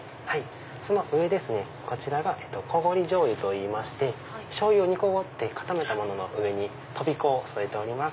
その上ですねこちらがこごりじょうゆといいましてしょうゆを煮こごって固めたものの上にとびこを添えております。